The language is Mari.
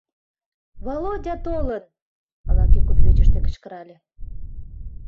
— Володя толын! — ала кӧ кудывечыште кычкырале.